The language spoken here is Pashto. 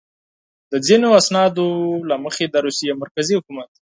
د ځینو اسنادو له مخې د روسیې مرکزي حکومت.